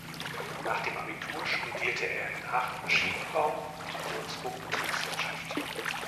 Nach dem Abitur studierte er in Aachen Maschinenbau und in Würzburg Betriebswirtschaft.